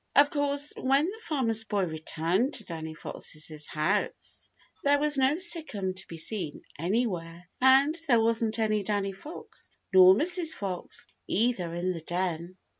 Of course, when the Farmer's Boy returned to Danny Fox's house, there was no Sic'em to be seen anywhere. And there wasn't any Danny Fox, nor Mrs. Fox, either, in the den.